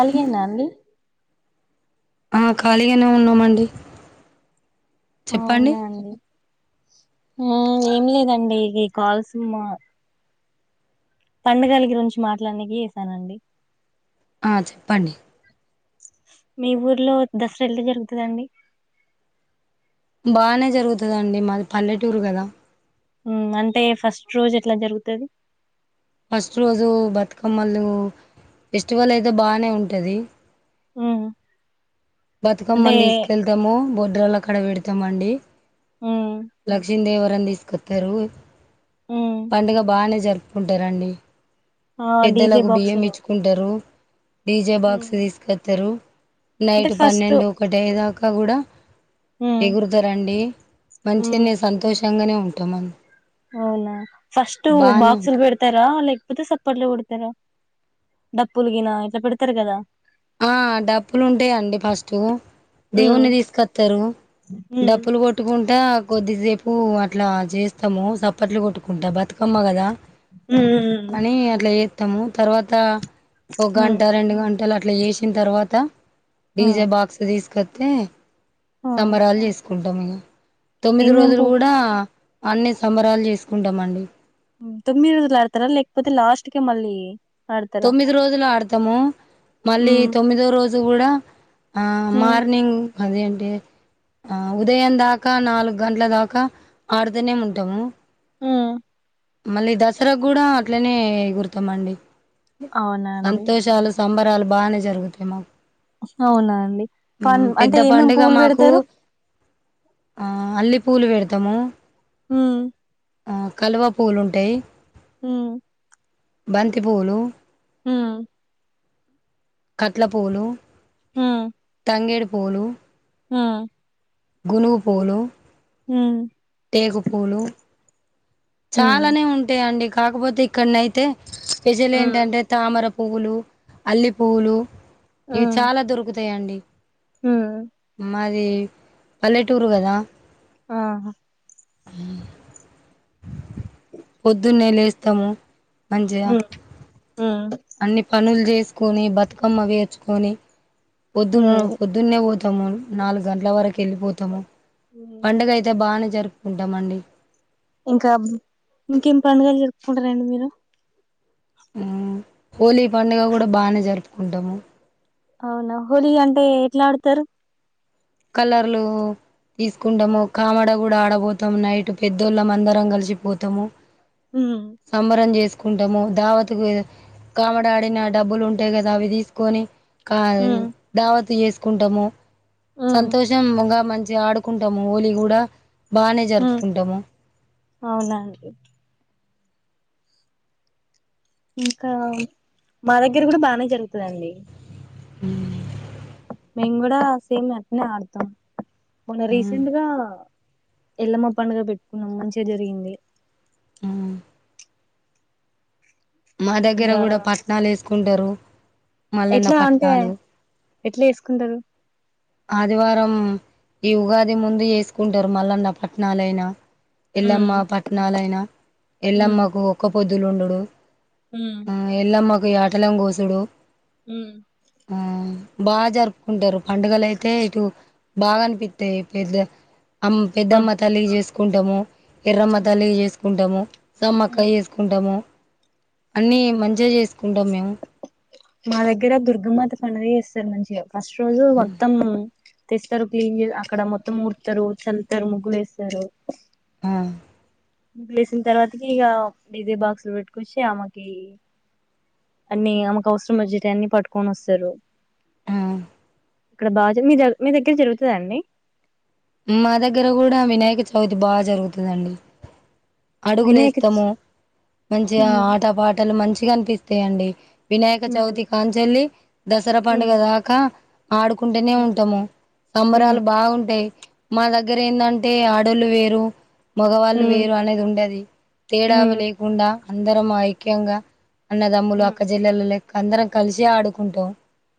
అలిగింద అండి ఆ ఖాళీగానే ఉన్నామండి ఆ చెప్పండి అవునా అండి ఆ ఏం లేదండి ఈ కాల్స్ మా పండుగల గురించి మాట్లాడనికి చేసానండి ఆ చెప్పండి మీ ఊర్లో దసరా ఎలా జరుగుతదండి బానే జరుగుతదండి మాది పల్లెటూరు కదా అంటే ఫస్ట్ రోజు ఎట్లా జరుగుతది ఫస్ట్ రోజు బతుకమ్మలు ఫెస్టివల్ అయితే బానే ఉంటది హ్మ్ అంటే బతుకమ్మని తీసుకెళ్తాము బొడ్రల్ల కాడ పెడతామండి హ్మ్, లక్ష్మీ దేవి ఎవరని తీసుకొత్తరు హ్మ్. పండుగ బానే జరు పుకుంటరండి ఆ డీజే పెద్దలకు బియ్యం బాక్సులు ఇచ్చుకుంటారు డీజే బాక్స్ హ్మ్, తీసుకొస్తారు అంటే నైట్ ఫస్ట్ పన్నెండు ఒకటి అయ్యే దాకా కూడా హ్మ్, ఎగురుతారండి హ్మ్. మంచినే సంతోషంగానే ఉంటామ అవునా ఫస్ట్ బాక్స్ ఉంటాం లు పెడతార లెక్ తే సప్పట్లు గొడతార డప్పులు గిన ఇట్లా పెడతారు కదా ఆ డప్పులుంటాయండి ఫస్ట్ దేవున్ని హ్మ్, తీస్కొత్తరు హ్మ్, డప్పులు కొట్టుకుంటా కొద్దిసేపు అట్లా జేస్తాము సప్పట్లు కొట్టుకుంటా బతుకమ్మ కదా హ్మ్, హ్మ్, అని అట్లా చేత్తము తర్వాత ఒక హ్మ్, గంట రెండు గంట ఇట్లా జేసిన తర్వాత హ్మ్, ఆ, డీజే బాక్స్ తీసుకొత్తే ఆ. సంబరాలు జేసుక్ కుంటాం ఇగ తొమ్మిది ఏమేం రోజులు పూ గూడా అన్ని సంబరాలు జేసుకుంటామండి తొమ్మిది రోజులాడతర లేకపోతే లాస్ట్ కి మళ్ళీ ఆడతారా తొమ్మిది రోజులు ఆడతాము మళ్ళీ ఉమ్ తొమ్మిదో రోజు గూడా ఆ ఉమ్ మార్నింగ్ అది ఏంటి ఆ ఉదయం దాకా నాలుగు గంట్ల దాకా ఆడుతనే ఉంటాము మ్మ్ మళ్ళీ దసరా గూడా అట్లనే ఎగురుతామండి అవునా అండి సంతోషాలు సంబరాలు బానే జరుగుతాయి మాకు అవునా అండి పన్ అంటే పెద్ద ఏమేమి పండుగ పువ్వులు మాకు పెడతారు ఆ అల్లిపూలు పెడతాము ఉమ్ ఆ కలువ పూలుంటాయి హ్మ్ బంతి పువ్వులు కట్ల పువ్వులు మ్మ్ తంగేడు పువ్వులు మ్మ్ గునువు పువ్వులు మ్మ్ టేకు పూలు ఉమ్ చాలానే ఉంటాయండి కాకపోతే ఇక్కడ్నయితే స్పెషల్ ఉమ్ ఏంటంటే తామర పువ్వులు అల్లి పువ్వులు ఇవి చాలా దొరుకుతాయి అండి మ్మ్ మాది పల్లెటూరు కదా వాహ పొద్దున్నే లేస్తము మంచిగ ఉమ్ ఉమ్ అన్ని పనులు జేసుకొని బతుకమ్మ వేర్చుకొని పొద్దున్న ఉమ్ పొద్దున్నేవ తొమున్ నాలుగు గంటల వరకు వెళ్ళిపోతాము పండుగ అయితే బానే జరు ఉంటామండి ఉంట రండి మీరు హోలీ పండుగ కూడా బానే జరుపుకుంటాము అవునా హోలీ అంటే ఎట్లా ఆడతారు కలర్లు తీసుకుంటాము కామడ గూడా ఆడబోతము నైట్ పెద్దోళ్ళం అందరం కలిసిపోతము ఉమ్ సంబరం జేస్ కుంటము దావత్తుకు కామడా ఆడిన డబ్బులు ఉంటాయి కదా అవి దీసుకొని కా ఉమ్ దావత్తు చేసుకుంటాము ఉమ్ సంతోషం గ మంచి జ ఆడుకుంటము హోలీ కూడా బానే జరుపుకుంటాము అవున అండి ఇంకా మా దగ్గర గూడా బానే జరుగుతదండి ఉమ్మ్ మేము కూడా సేమ్ అట్టనే ఆడుతాం మొన్నా రీసెంట్గా ఎల్లమ పండుగ పెట్టుకున్నాం మంచిగా జరిగింది ఆ మా దగ్గర ఇగ కూడా పట్నాలు వేసుకుంటారు మల్లన్న ఎట్లా అంటే పట్నాలు ఎట్లా వేసుకుంటారు ఆదివారం ఈ ఉగాది ముందు చేసుకుంటారు మల్లన్న పట్నా లైనా ఉమ్ ఎల్లమ్మ పట్నలయిన ఉమ్ ఎల్లమ్మకు ఒక్క పొద్దులుండుడు ఉమ్ ఆ ఎల్లమ్మకు యాటలం కోసుడు ఉ ఆ బాగా జరుపుకుంటారు పండుగలై బాగా అనిపిత్తయి పెద్ద అమ్ ఆ పెద్దమ్మ తల్లికి చేసుకుంటాము ఎర్రమ్మ తల్లికి చేసుకుంటాము సమ్మక్క చేసుకుంటాము అన్నీ మంచిగా చేసుకుంటాం మేము మా దగ్గర దుర్గమాత పండగా చేస్తారు మంచిగా ఫస్ట్ రోజు మొత్తం తెస్తారు క్లీన్ అక్కడ మొత్తం ఉడుతారు చల్తారు ముగ్గులు వేస్తారు ఆ ముగ్గులు ఏసిన తర్వాతకి ఇగ డీజే బాక్స్లు పెట్టుకొచ్చి ఆమకి అన్ని ఆమెకు అవసర మచేటిఅన్ని పట్టుకొని వస్తారు ఆ ఇక్కడ బా జార్ మీ జార్ మీ దగ్గర జరుగుతుందండి మా దగ్గర కూడా వినాయక చవితి బాగా జరుగుతుందండి అడుగులు వినాయక చ లేస్తాము మంచిగా హ్మ్ ఆట పాటలు మంచిగా అనిపిస్తాయండి వినాయక చవితి హ్మ్ కాంచెల్లి దసరా పండుగ హ్మ్ దాకా ఆడుకుంటనే ఉంటాము హ్మ్ సంబరాలు బాగుంటాయి మా దగ్గర ఎందంటే ఆడోళ్ళు వేరు మగవాళ్ళు హ్మ్ వేరు అనేది ఉండది తేడావ హ్మ్ లేకుండా అందరం ఐక్యంగా అన్నదమ్ములు హ్మ్ అక్క జిల్లలో లెక్క అందరం కలిసి ఆడుకుంటాం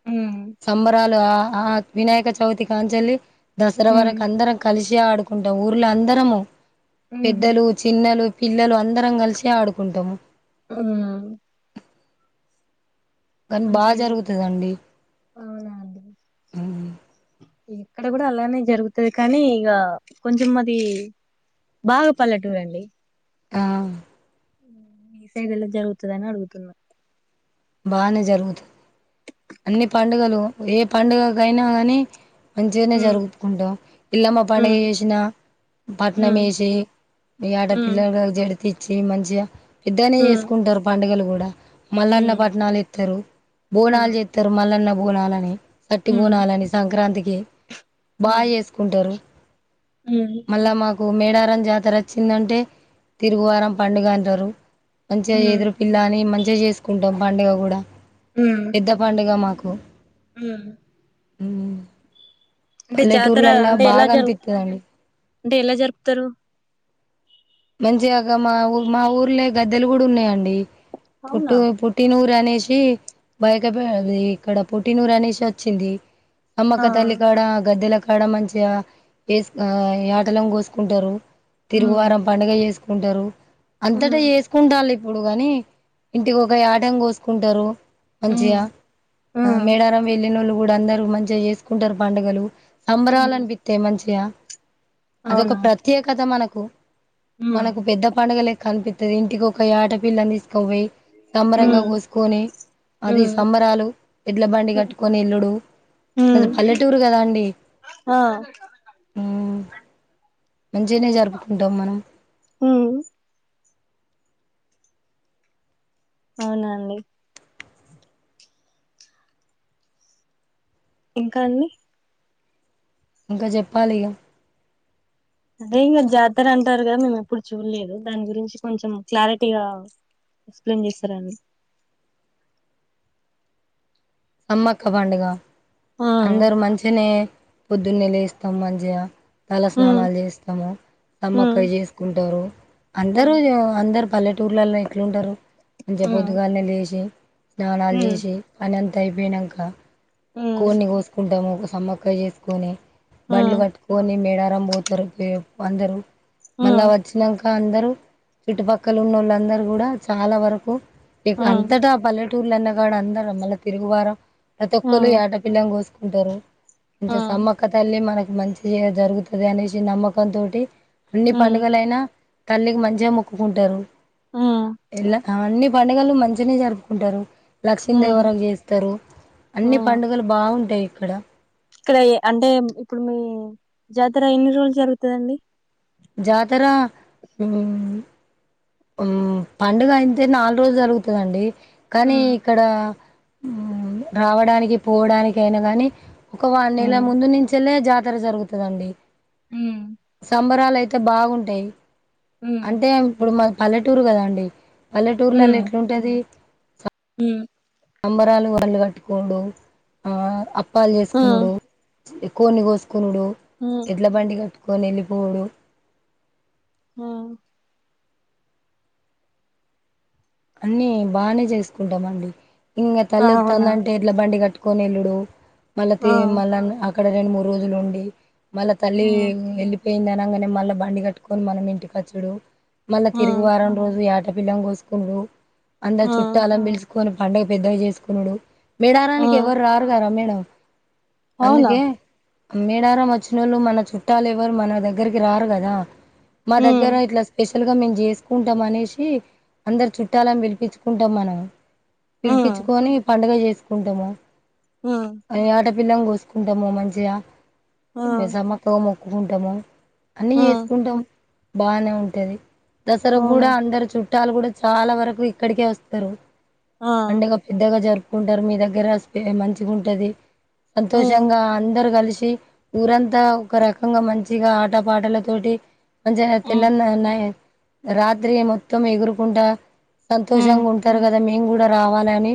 హ్మ్ సంబరాలు ఆ వినాయక చవితి కంచెల్లి దసరా హ్మ్ వరకు అందరం కలిసి మంచి ఆడుకుంటాం ఊర్ల అందరము ఉహు పిల్లలు పిల్లలు అందరం కలిసి ఆడుకుంటాము ఆ కానీ బాగా మంచిగా జరుగుతదండి అవునా అండి ఉమ్. ఏ ఇక్కడ కూడా అలానే జరుగుతుది కానీ ఇగ కొంచెం అది బాగా పల్లెటూరు అండి ఆ మీ సైడ్ ఎలా జరుగుతుదని అడుగుతున్నా బానే జరుగుతది అన్ని పండుగలు ఏ పండుగకైనా కనీ మంచిగానే హ్మ్ జరుపుకుంటాం ఎల్లమ్మ పండుగ హ్మ్ చేసిన పట్నం హ్మ్ యేసి ఇ యాట హ్మ్ పిల్లను గాగు జడ్ తిచ్చి మంచిగా పెద్దగనే హ్మ్ చేసుకుంటారు పండుగలు గూడా మల్లన్న హ్మ్ పాట్ బోనాలేత్తరు బోనాలు హ్మ్ చేత్తరు మల్లన్న బోనాలని సట్టి హ్మ్ బోనాలని సంక్రాంతి కే బా హ్మ్ చేసుకుంటారు హ్మ్ మల్ల మాకు మేడారం జాతర అచ్చిందంటే తిరుగువారం పండుగ అంటారు మంచిగా ఉమ్ ఎదురు పిల్ల అని మంచిగా చేసుకుంటాం పండుగ కూడా పెద్ద పండుగ మాకు ఆ పల్లెటూర్లలా అంటే ఎలా బాగా జరు అనిపిత్తదండి అంటే ఎలా జరుపుతారు మంచిగాగా మా ఊ మా ఊర్లో గద్దెలు గూడా ఉన్నాయండి పుట్టు అవునా పుట్టినురు రు అనేసి బయక్కపే ఇక్కడ పుట్టినూరు అనేసి వచ్చింది ఆ సమ్మక్క తల్లి కాడ గద్దెల కడ మంచిగా ఎస్ ఆ యాటలను గోసుకుంటారు ఉమ్ తిరుగువారం పండుగ చేసుకుంటారు అంతటా ఉమ్ జేసుకుంటాలి ప్పుడు గాని ఇంటికి ఒక యాటన్ కోసుకుంటారు ఉమ్ మంచిగా ఆ ఉమ్ మేడారం ఎల్లినోళ్ళు గూడా అందరు మంచిగా చేసుకుంటారు పండుగలు సంబరాలు ఉమ్ అనిపిస్తాయి మంచిగా అదొక అవునా ప్రత్యేకత మనకు ఉమ్ మనకు పెద్ద పడుగలేక్కనిపి తది ఇంటికొక యాటపిిల్లని తీసుకపోయి సంబురంగా ఉమ్ కోసుకొని అది ఉమ్ సంబరాలు యెడ్ల బండి కట్టుకొని ఎల్లుడు అది ఉమ్ పల్లెటూరు గదా అండి ఆ మంచిగానే జరుపుకుంటాం మనం ఉమ్ అవునాండి ఇంకా అండి ఇంకా చెప్పాలిగ ది ఇగ జాతర అంటారు కదా మేము ఎప్పుడు చూడలేదు దాని గురించి కొంచెం క్లారిటీగా ఎక్స్ప్లెయిన్ చేస్తారా అండి సమ్మక్క పండుగ ఆ అందరు మంచిినే పొద్దున్నే లేేస్తాము మంచిగా తల ఉమ్ స్నానాలు చేస్తాము ఉమ్ సమ్మక్కకు చేసుకుంటారు అందరూ ఉమ్ ఆ అందరు పల్లెటూర్లలో ఎట్ల ఉంటారు మంచిగ ఉమ్ పొద్దుగాల్నే లేచి స్నానాలు ఉమ్ జేసి పని అంతా అయిపోయినంక ఉమ్ కోడిని కోసుకుంటాము ఒగ సమ్మక్కకు చేసుకొని బండ్లు ఉమ్ గట్టుకొని మేడారం పోతారు పె అందరు మళ్ళా హ్మ్ వచ్చినంక అందరూ చుట్టుపక్కల ఉన్న వాళ్ళందరు కూడా చాలా వరకు ట్ హ్మ్ అంతటా పల్లెటూర్లన్నకడ అందరం మళ్ళా తిరుగువారం ప్రతి ఒక్కలు హ్మ్ యాటపిల్లను కోసుకుంటారు మంచిగా హ్మ్ సమ్మక్క తల్లి మనక్ మంచిగ జరుగుతదనేసి నమ్మకం తోటి అన్ని హ్మ్ పండుగలయినా తల్లికి మంచిగా మొక్కుకుంటారు హ్మ్ ఎలా అవన్ని పండుగలు మంచినే జరుపుకుంటారు హ్మ్ లక్ష్మీదేవరాక్ చేస్ స్తారు అన్ని హ్మ్ పండుగలు బాగుంటాయి ఇక్కడ ఇక్కడ ఎ అంటే ఇప్పుడు మీ జాతర ఎన్ని రోజులు జరుగుతదండి జాతర హు హు పండుగ అయింతే నాలుగు రోజులు జరుగుతదండి కానీ హ్మ్ ఇక్కడ రావడానికి పోవడానికి అయినా గాని ఒక వారం నెళ్ల హ్మ్ ముందు నుంచెలే జాత్ తర జరుగుతదండి హ్మ్ సంబరాలు అయితే బాగుంటాయి హ్మ్ అంటే ఇప్పుడు మా పల్లెటూరు కదా అండి పల్లెటూరులళ్ళ ఎట్లుంటది హుమ్ సంబరాలు వాళ్ళు కట్టుకునుడు ఆ అప్పాలు హ్మ్ చేసుకున్నాడు ఎ కోన్ని కోస్ కునుడు హ్మ్ ఎట్లా బండి కట్టుకొని వెళ్ళిపోవుడు ఆ అన్ని బానే చేసుకుంటామండి ఇంగ తల్లి వోతాంది అవునా అంటే ఎడ్ల బండి కట్టు కొనేల్లుడు మళ్ళా తి ఆ! మళ్ళా అక్కడ రెండు మూడు రోజులు ఉండి మళ్ళా తల్లి హ్మ్ వెళ్ళిపోయిందనగానే మళ్ళా బండి కట్టుకొని మనం ఇంటికచ్చుడు మళ్ళా తిరుగు హ్మ్ వారం రోజు యాటపిల్లను కోసుకునుడు అందరు హ్మ్ చుట్టలను పిలుసుకొని పండుగ పెద్దగా చేసుకునుడు మెడారానికి హ్మ్ ఎవరు రారుగా ర మేడం అవునా? అందుకే మ్మేడారం వచ్చినోళ్ళు మన చుట్టాలు ఎవరు మన దగ్గరికి రారు కదా మా హ్మ్ దగ్గర ఇట్లా స్పెషల్ గా మేము చేసుకుంటాం అనేసి అందరు చుట్ ట్టాలని పిలిపించుకుంటాం మనం హ్మ్ పిలిపించుకొని పండుగ చేసుకుంటాము ఆ పిల్లను కోసుకుంటాము మంచిగా ఇగ హ్మ్ సమ్మక్కకు మొక్కుకుంటాము అన్ని హ్మ్ చేేసుకుంటాం బానే ఉంటది దసరా గూడా అవునా? అందరు చుట్టూ చట్టాలు కూడా చాలా వరకు ఇక్కడికే వస్తారు ఆ! పండుగ పెద్దగా జరుపు కుంటారు మీ దగ్గరసి మంచిగా ఉంటది హ్మ్ సంతోషంగా అందరు కలిసి ఊరంతా ఒక రకంగా మంచిగా ఆట పాటల తోటి మంచి హ్మ్ తెిల్లన నై రాత్రి మొత్తం ఎగురుకుంట హ్మ్ సంతోషంగా ఉంటారు కదా మేము గూడ రావాలని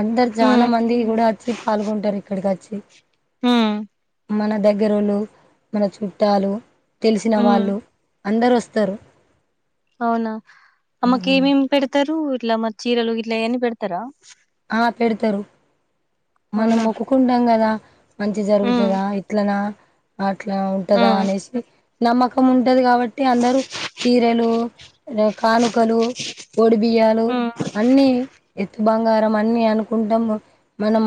అందరు జాన హ్మ్ మంది కూడా వచ్చి పాల్గొంటారు ఇక్కడికి వచ్చి ఊ మన దగ్గరోలు మన చుట్టాలు తెలిసిన హ్మ్ వాళ్ళు అందరొస్తరు అవునా అమ్మకి ఏమేమి పెడతరు ఇట్లా మ చీరలు ఇట్లా అవన్నీ పెడతారా ఆ పెడతరు మనం అవునా మొక్కుకుంటాం గదా మంచి ఉమ్ జరుగుతదా ఇట్లనా అట్లా ఉంటదా ఉమ్ అనేసి నమ్మకం ఉంటది గాబట్టి అందరు చీరలు కాను లువోడి బియ్యాలు ఉమ్ అన్ని ఎత్తు బంగార్ అన్ని అనుకుంటాం మనం